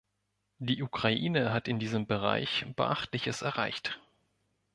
Die Ukraine hat in diesem Bereich Beachtliches erreicht.